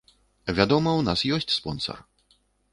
Вядома, у нас ёсць спонсар.